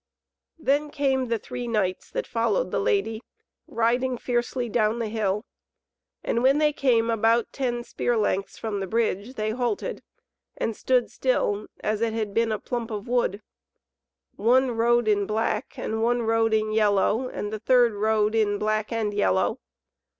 Then came the three knights that followed the Lady, riding fiercely down the hill. And when they came about ten spear lengths from the bridge, they halted, and stood still as it had been a plump of wood. One rode in black, and one rode in yellow, and the third rode in black and yellow.